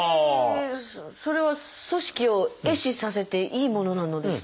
それは組織を壊死させていいものなのですか？